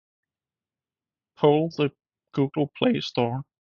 Poll the Google Play Store